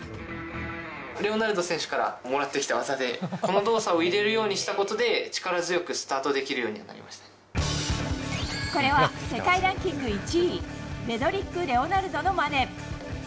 レオナルド選手からもらってきた技で、この動作を入れるようにしたことで、力強くスタートでこれは世界ランキング１位、ベドリック・レオナルドのまね。